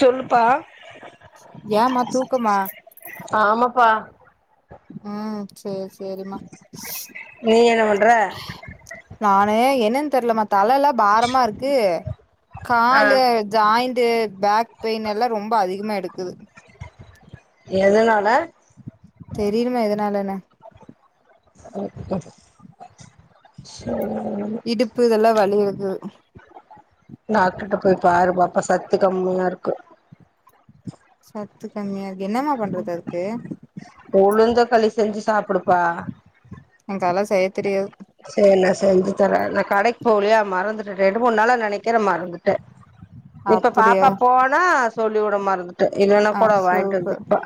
சொல்லுபா ஏமா தூக்கமா ஆமாப்பா. ம் சேரி சேரிம்மா நீ என்ன பண்ற நா அ என்னன் தெர்லமா தலல்லா பாரமா இருக்கு. ஆ காலூ ஜாய்ண் டு பேக் பெயின்னெல்லா ரொம்ப அதிகமா எடுக்குது. எதனால? தெரிலமா எதனாலன்னு செரி இடுப்பு இதெல்லா வலிஎடு இப்ப சத்து கம்மியா இருக்கு. சத்து கம்மியா என்னம்மா பண்றது அதுக்கு உளுந்த களி செஞ்சு சாப்பிடுப்பா எனக்கு அதெல்லா செய்ய தெரியாது. சேரி நா செஞ்சு தர. நா கடைக் போலயா மறந்துட்ட ரெண்டு மூணு நாளா நெனைக் கிற மறந்துட்ட இப்ப அப்டியா பாப்பா போனா சொல்லி வுட மறந்துட் இல்லேன்னா ஆ கூட வாய்ட்டு சூப்பர் வந்துப்பா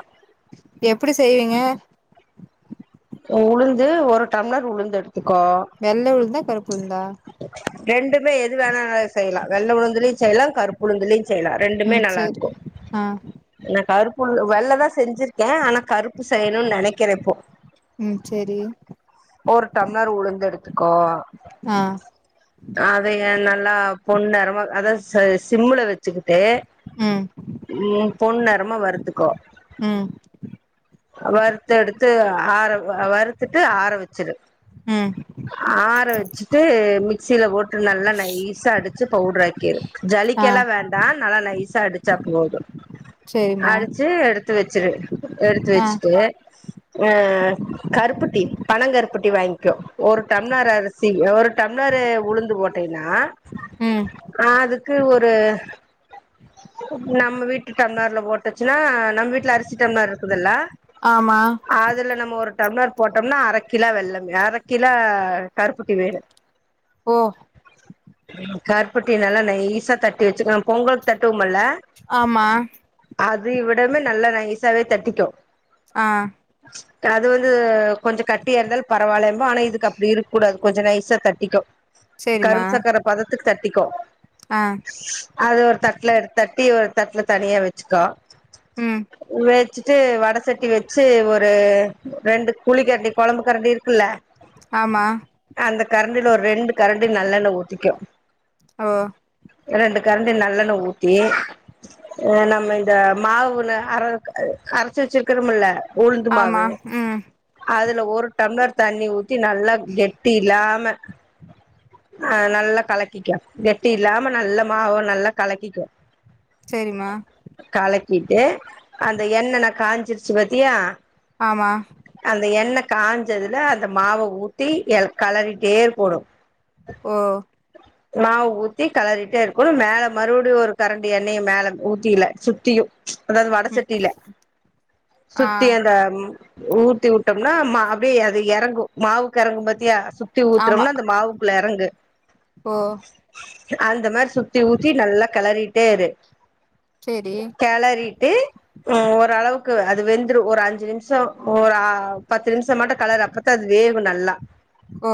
எப்டி செய்வீங்க உளுந்து ஒரு டம்ளர் உளுந்து எடுத் வெள்ள உளுந்தா கருப்புளுந்தா ரெண்டுமே எது வேணால செய்யலா வெள்ள உளுந்திலயு செய்யலா கருப்புளுந்திலயு செய்லா ரெண்டுமே ம் நல்லா சேரி இருக்கு. ஆ ஏனா கருப் புள் வெள்ளதா செஞ்சிர் ஏன் ஆனா கருப்பு செய்யணும்னு நெனக்கிறேன் இப்போ ம் சேரி ஒரு டம்ளர் உளுந்து எடுத்துக்கோ ஆ அது என் நல்லா பொண்ணு நரம அத ச சிம்மில வச்சுக்கிட்டு ம் உம் பொண் நெறமா வறுத்துக்கோ ம் வறுத்தெடுத்து ஆற வறுத்துட்டு ஆர வச்சுரு ம் ஆற வச்சி ட்டு மிக்ஸில போட்டு நல்லா நைஸ்ஸா அடிச்சு பவுடர் ஆக்கிரு ஜலிக்க ஆ எல்லாம் வேண்டாம் நல்ல நைஷா அடிச்சா போதும் சேரிம்மா அடிச்சு எடுத்து வச்சுரு எடுத்து ஆ வச்சுட்டு கருப்பொட்டி பனகரு பொட்டி வாங்கிகோ ஒரு டம்ளர் அரிசி ஒரு டம்ளரு உளுந்து போட்டேன்னா ம் ஆஹ் அதுக்கு ஒரு ஒரு நம்ம வீட்டு டம்ளர்ல போட்டுச்சுன்னா நம்ம வீட்ல அரிசி டம்ளர் இருக்குதுல்ல ஆமா அதுல நம்ம ஒரு டம்ளர் போட்டம்னா அரை கிலா வெள்ளம் அரை கில கருப்பு இது வேற ஓ கருப்பட்டி நல்லா நைசா தட்டி வச்சுக்க பொங்கலுக்கு தட்டுவோமல்ல ஆமா அத விடமே நல்லா நைசாவே தட்டிக்கோ ஆஹ் அது வந்து கொஞ்சம் கட்டியா இருந்தாலு பரவாயில்ல இதுக்கு அப்டி இருக்கூடாது கொஞ்ஜோ நைய்சா தட்டிக்கோ சேரிம்மா கரும் சக்கர பதத்துக்கு தட்டிக்கோ ஆ அது ஒரு தட்ல எடுத் தட்டி ஒரு தட்ல தனியா வச்சுக்கோ ம் வேச்சு ட்டு வட சட்டி வச்சு ஒரு ரெண்டு குழி கரண்டி கொழம்பு கரண்டி இருக்குல ஆமா அந்த கரண்டில ஒரு ரெண்டு கரண்டி நல்லெண்ண ஊத்திக்கோ ஓ ரெண்டு கரண்டி நல்லெண்ண ஊத்தி நம்ப இந்த மாவு நர அரச்சு வச்சுருக்கோம்ல ஆமா உளுந்துமாவு அது ம் அதுல ஒரு டம்ளர் தண்ணி ஊத் த்தி நல்லா கெட்டி கெட்டி இல்லாம ஆஹ் நல்லா கலக்கிக கெட்டி இல்லாம நல்ல மாவு நல்ல கலக்கிக்கோ சேரிமா ட்டு அந்த எண்ணென்ன காஞ்சிருச்சு பாத்தியா ஆமா அந்த என்ன காஞ்சதுல அந்த மாவ ஊத்தி களறிட்டே இருக்கோனு ஓ மாவு ஊத்தி கலறிட்டே இருக்கனு மேல மறுபடியு ஒரு கரண்டி எண்ணெய மேல ஊத்தில சுத்தியு அதாவது ம் வடசட்டியில ஆ சுத்தி அந்த ஊத்தி விட்டோம்னா மா அப்டியே அது எறங்கு மாவுக்கு எறங்கு பாத்தியா சுத்தி ஆமா ஊத்துறோம்னா அந்த மாவுக்குள்ள எறங்கு ஓ அந்த மாரி சுத்தி ஊத்தி நல்லா கெளறிட்டே இரு சேரி கெளறிட்டு ஓரளவுக் க்கு அது வெந்துரு ஒரு அஞ்சு நிமிஷோ ஒரு ஆ பத்து நிமிஷோ மட்டு கெளரு அப்பதா அது வேவு நல்லா ஓ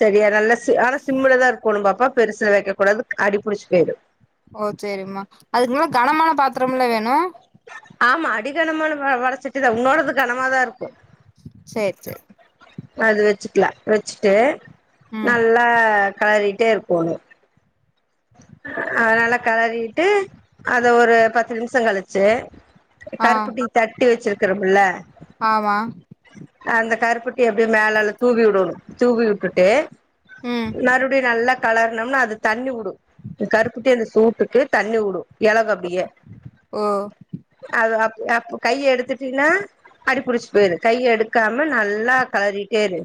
சரியா நல்லா செ ஆனா சிம்ல தா இருக்கோனு பாப்பா பெருசுல வைக்க கூடாது அடிபுடிச்சி பொயிடு ஓ சேரிம்மா அதுக்கு மொதல கனமான பாத்ரம்ல வேணு ஆமா அடிகணமான வ வட சட்டிதா ஒன்னோடது கனமாதா இருக்கு சேரி சேரி அது வச்சுக்கல வச்சுட்டு ம் நல்லா கெளறிட்டே இருக்கோணு ஆ நல்லா கெளறிட்டு அத ஒரு பத்து நிமிஷம் கழுச்சு ஆ கருப்புட்டி தட்டி வச்சுருக்கிறம்ல ஆமா அந்த கருப் கருப்பட்டி அப்டியே மேல நல்லா தூவி விடணு தூவி விட்டுட்டு ம் மறுபடியு நல்லாக் கெளரனும்னா அது தண்ணி உடு கருப்புட்டி அந்த சூட்டுக்கு தண்ணி வுடு எலகு அப்டியே ஓ அது அப் அப்ப கைய எடுத்துட்டீன்னா அடிபுடிச்சு போயிரு கைய எடுக்காம நல்லா கெளறிட்டே இரு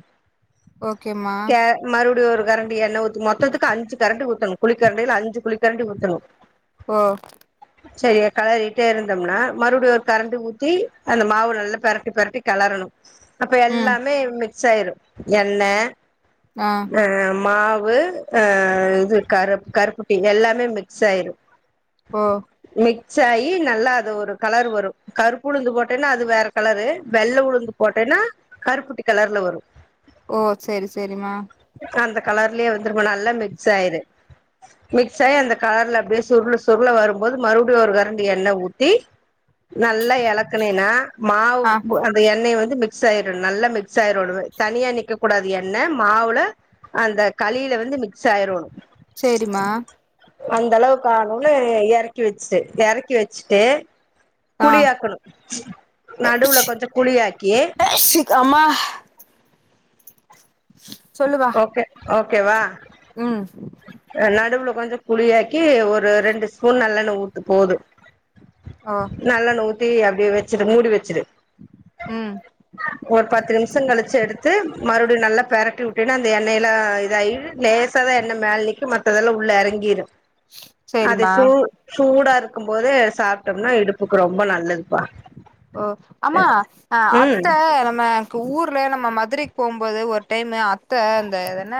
ஓகேம்மா கே மறுபடியு ஒரு எண்ண ஊத்து மொத்தத்துக்கு அஞ்சு கரண்டி ஊத்தணு கரண்டில அஞ்சு குளிக்கரண்டி ஊத்துணு ஓ செரியா கெளறிட்டே இருந்தம்னா மறுபடியு ஒரு கரண்டு ஊத்தி அந்த மாவு நல்லா பெரட்டி பெரட்டி கெளரணும் அப்ப ம் எல்லாமே இவனுக் பிக்சாயிரு எண்ண ஆ அ அ மாவ் வு அ இது கரு கருப்புட்டி எல்லாமே மிக்ஸ் ஆயிரு ஓ சாயி நல்லா அது ஒரு கலர் வரு கருப்பு உளுந்து போட்டேன்னா அது வேற கலரு வெள்ள உளுந்து போட்டேன்னா கருப்புட்டி கலர்ல வரு ஓ செரி செரிமா அந்த கலர்லயே வந்துரும்மா நல்லா மிக்ஸ் ஆயிரு மிக்ஸ் ஆகி அந்த கலர்ல அப்டியே சுருளு சுருளா வரும்போது மறுபடியு ஒரு கரண்டி எண்ண ஊத்தி நல்லா எலக்குனேன்னா மாவு ஆ அந்த எண்ணெய வந்து மிக்ஸ் ஆயிரணு நல்லா மிக்ஸ் ஆயுரனு தனியா நிக்கக் கூடாது என்ண மாவுல அந்த களில வந்து மிக்ஸ் ஆயிரோணு சேரிம்மா அந்த அளவு காரு அவ்ளோ எறக்கி வச்சுட்டு எறக்கி வச்சுட்டு ஆ குழியாக்கணு நடுவுல கொஞ்சோ குழியாக்கி அம்மா ஓகே ஓக் ஓக்கேவா உம் கொஞ்ச குளியாக்கி ஒரு ரெண்டு ஸ்பூன் நல்லெண்ண ஊத்து போதும் ஓ நல்லெண்ண ஊத்தி அப்டியே வெச் வச்சுட்டு முடி வச்சுட்டு ம் ஒரு பத்து நிமிஷ கழிச்சு எடுத்து மறுபடியும் நல்ல பேரட்டி உட் அப்படின்னா அந்த எண்ணெயல்லாம் இதாயி லேசாத எண்ணெய் மேல நிக்கு மத்ததெல்லா உள்ள இறங்கிடும் அத சேரிம்மா சூ சூட பாக்கும் போது சாப்பிட்டோம்னா இடுப்புக்கு ரொம்ப நல்லதுப்பா ஓ அம்மா ம் அத்த நம்ம ஊர் நம்ம மதுரைக்கு போகும்போது ஒரு டைம் அத்த அந்தன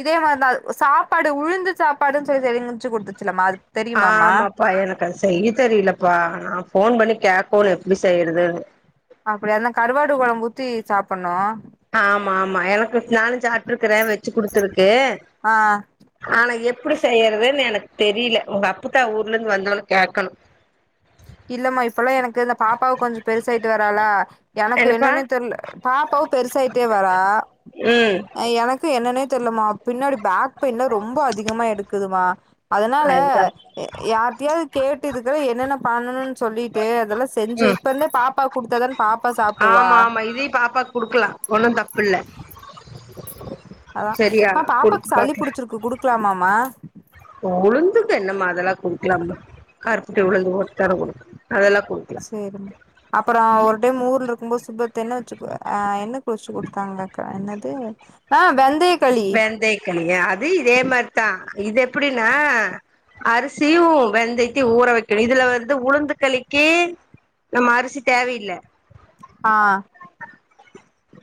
இதே மாதிரி சாப்பாடு உழுந்து சாப்பாடுன்னு சொல்லி தெரிச்சு குடுத்துச்ச ஆ ஆமாப்பா எனக்கு அத செய்ய தெரியல அப்பா நா போன் பண்ணி கேக்கனு எப்படி செய்யறதுனு அப்படிய அதல்லா கருவாடு குழம்ப ஊத்தி சாப்பிடணு ஆமா ஆமா எனக்கு நானும் சாட்டுருக்கறேன் வச்சு குடுத்துருக்கு ஆ ஆனா எப்படி செய்யறதுன்னு எனக்கு தெரியல உங்க அப்புதா ஊர்ல இருந்து வந்தவன கேட்கணும் இல்லம்மா இப்பல்லா எனக்கு பாப்பாவு கொஞ்ச பெருசாயிட்டு வராலா எனக்கு என்னப்பா என்னே தெரியல பாப்பாவும் பெருசாயிட்டே வரா ம் எனக்கு என்னன்னே தெரிலமா பின்னாடி பேக் பெயின்ல ரொம்ப அதிகமா எடுக்குதுவா அதனால அதுதா யாரிட்டையாவ்து கேட்டு இதுக்குல என்னென்ன பண்ணனுன் சொல்லிட்டு அதெல்லா செஞ்சு ம் இப்ப இருந்தே பாப்பாக்கு குடுத்தாதான பாப்பா சாப்டுவா ஆமா ஆமா இதே பாப்பா குடுக்கலா ஒண்ணும் தப்பில்ல அதா சரியா அ குடுத்து பாப்பாக்கு சளி பாக்கலா புடிச்சிருக்கு குடுக் கலமா மா உளுந்துக்கு என்ன மா அதலா குடுக்கலாமா கருப்ட்டி உளுந்து ஒருத்தார குடு சேரிங் அப்புறொ ஒரு டைம் ஊர்லு உங்க சுபத்து என்ன வச்சி கு ஆ என்ன குறிச்சி குடுத்தாங்கக்க க என்னது ஆ வெந்தய களி வெந்தையகளியா, அது இதே மாரிதா இது எப்பிடின்னா அரிசியு வெந்தயத்தயு ஊற வைக்கணு இதுல வந்து உளுந்து களிக்கி நம்ம அரிசி தேவயில்ல ஆ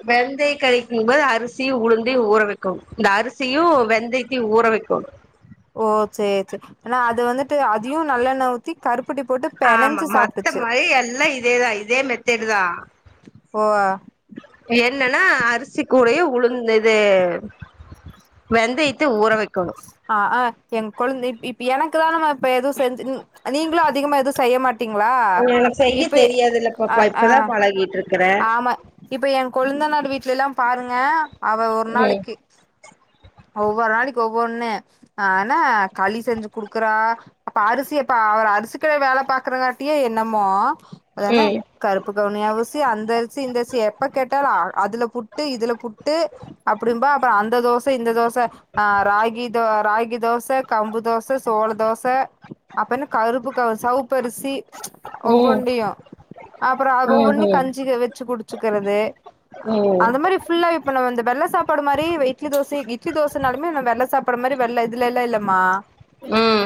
வெந்தய களிக்கும் போது அரிசியு உளுந்தையு ஊற வெக்கோனு இந்த அரிசியு வெந்தயத்தயு ஊற வெக்கோனு ஓ சேரி சேரி ஆனா அது வந்துட்டு அதியு நல்லெண்ண ஊத்தி கருப் ஆமா மத்த மாரி எல்லா இதே தா இதே இதே மெத்தேடுதா ஓ என்னன்னா அரிசி கூடயே உளுந்து இது வெந்தயத்த ஊற வை ஆ ஆ எங்க கொழந் இப் இப் எனக்கு தானமா இப்ப எதுவு செஞ்சி ம் நீங்களு அதிகமா எதுவு செய்ய மாட் இங்க எனக்கு செய்ய தெரியாதுல்ல ஆ பாப்பா ஆ இப்பதா பழகீட்டுருக்கே ஆமா இப்ப ஏ கொழுந்தனார் வீட்ல எல்லா பாருங்க அவ ஒரு ம் நாளைக்கி ஒவ்வொர் நாளிக் ஒவ்வொன்னு ஆனா களி செஞ்சு குடுக்குறா அப்ப அரிசி அப்ப அவ அர்சி கடைல வேல பாக்குறகாட்டியே என்னமோ ஏனா ம் கருப்பு கவுனி அரிசி அந்த அர்சி இந்த அர்சி எப்ப கேட்டாலு அர் அதுல புட்டு இதுல புட்டு அப்டிம்பா ப அந்த தோஸ் ப இந்த தோச ஆ ராகி தோ ராகி தோச கம்பு தோச சோள தோச அப்பென்ன கருப்புக்கவ் செவ்ப் பரிசி ம் ஒவ்வொன்டியு அப்றோ அ ஒவ்வொன்னி ம் கஞ்சிக வெச்சு குடிச்சிக்கறது ம் அது மாரி ஃபுல்லா இப்ப நா வந்து வெள்ள சாப்பாடு மாரி வ இட்லி தோஸ் சி இட்லி தோசனாலுமே நம் வெள்ள சாப்பாடு மாரி வெள்ள இதுல இல்லல்லமா ம்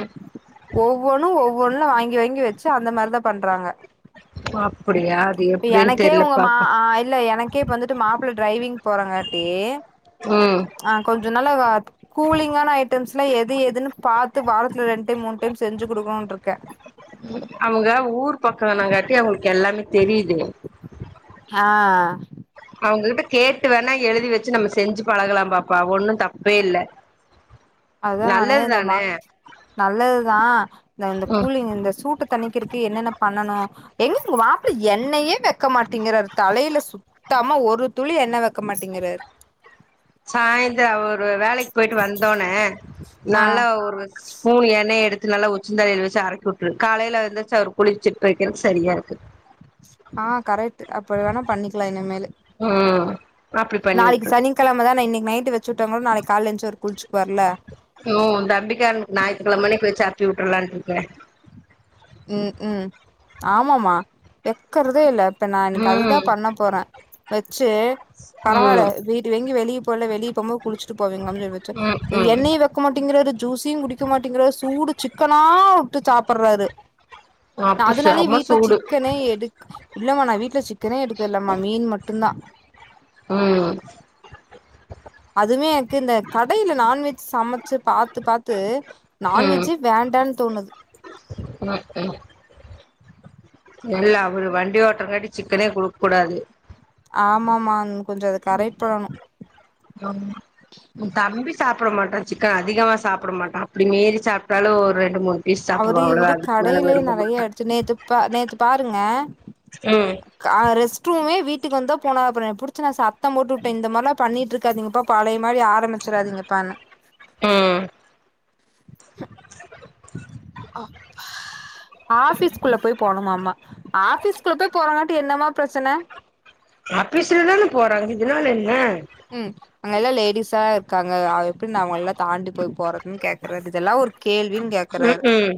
ஒவ்வொன்னு ஒவ்வொன்ல வாங்கி வாங்கி வெச்சு அந்த மாரிதா பண்றாங்க அப்படியா அது எப்படின்னு எனக்கே தெரியல உங்க மா பாப்போ ஆ இல்ல எனக்கே இப் வந்துட்டு மாப்ள டிரைவிங் போறங்காட்டி உஹம் ஆஹா கொஞ்ச நாலா கூலிங் ஆனா ஐட்டம்ஸ் லா எது எதுன்னு வரத்துல ரெண்டு டைம் மூணு டைம் செஞ்சு கொடுக்கணும் இருக்கே அவங்க ஊர் பக்கனங்கட்டி அவங்களுக்கு எல்லாமே தெரியுது ஆஹ் அவங்க கிட்ட கேட்டு வென எழுதுவச்சி நம்ம செஞ்சி பலகாலம் பாப்பா ஒன்னும் தப்பே இல்ல அதான் நானே நல்லது இந்த மா தானே நல்லதுதா இந்த கூலிங் இந்த சூட்ட தண்ணிக்கிறது என்னென்ன பண்ணனும் எங்க உங்க வாப்பல எண்ணெயே வைக்க மாட்டேங்கிறாரு தலையில சுத்தமா ஒரு துளி எண்ணெயவைக்க மாட்டேங்கிறாரு சாயந்தரம் அவர் வேலைக்கி போயிட்டு வந்த உடனே ஹ ஆ நல்லா ஒரு ஸ்பூன் எண்ணெய் எடுத்து நல்லா உச்சந்தாலல் வச்சு அரக்கி விட்டுரு காலையில எந்திருச்சி அவரு குளிச்சிட்டுக்கிறதுக்கு சரியா இருக்கு ஆஹா கரெக்ட் அப்படி வென பண்ணிக்கலாம் இனிமேல் ம் அப்டி பண்ணி நாளைக்கு விட்ரு சனிக்கிழம தானா இன்னைக்கு நைட்டு வச் சூடாக கோல நாளைக்கு காலைல ஏந்திச் குளிச் ம் தம்பிக்காரன்கு ஞாயிற்றுகிழம அன்னைக்கு அப்பி விற்றுளம்டூ யே உம் உம் ஆமா மா வக்கிறதே இல்ல இப்ப நான் எனக்கு அதுதா ம் பண்ண போறேன் வச்சு பரவாயில்ல ம் வீட்டு வெங்கி வெளிய போல வெளிப்போ குளிச்சிட்டு போவிங்களானு வெச்ச ம் ம் எண்ணையே வெக்க மாட்டேங்கிறாரு ஜூசையு குடிக் சு மாட்டேங்கிறாரு சூடு சிக் சிக்கனா வுட்டு சாப்பிர்றாரு அப்ப அதனாலயே செம வீட்டுல சூடு சிக்கனே எடுக் இல்லம்மா ந வீட்ல சிக் கனே எடுக்கலமா மீன் மட்டு தா ம் அதுமே கு இந்த கடையில நான்வெஜ் சமச்சு பாத்து பாத்து ம் நான்வெஜு வேண்டான் தோணுது ம் எல்லா ஒரு வண்டி ஓட்டுறங்காட்டி சிக்கனே குடுக் கூடாது ஆமாமாங் கொஞ்ச அது கரைட் பண்ணணு சாப்ட மாட்டோ சிக்கன் அதிகமா சாப்ட மாட்டோ அப்படி மீறி சாப்ட்டாலு ஒரு ரெண்டு மூணு பீஸ் அவரு சாப்பிடுவா அவ்வளவுதா இவரு அதுக்கு மேல கடையிலயே விரும்ப மாட்டா நெறைய எடுத்து நேத்து ப நேத்து பாருங்க ம் கா ரெஸ்ட் ரூமே வீட் வீட்டுக்கு வந்துதா போனாரு அப்புறோ புடிச்சு நா சத்தம் போட்டு வுட்டே இந்த மாரிலா பண்ணிட்டு இருக்காதிங்கப்பா பழைய மாரி ஆரமிச்சிடாதீங்கப்பான்னு ம் ஹப்பா ஆபீஸ்க்குள்ளப் போய் போணுமாமா ஆபீஸ்க்குள்ள போய் போறாங்காட்டி என்னமா பிரச்சன ஆபீஸ்லதான போறாங்க இதனால என்ன க்காங்க அவ எப்படி நா அவங்கல்லா தாண்டி போய் போறதுன்னு கே இது இதெல்லா ஒரு கேள்வின் ம் கேக்கறாரு ம்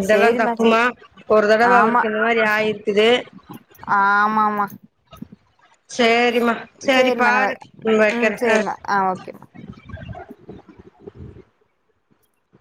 இதெல்லா தப்புமா ஒரு தடவ ஆமா அவருக்கு இந்த மாரி ஆயிருக்குது ஆமாமா சேரி யமா சேரி சேரிம்மா நா பாருடி ம் வக்கறே ஆ [inaudible]